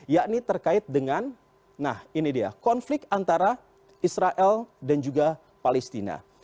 yakni terkait dengan konflik antara israel dan juga palestina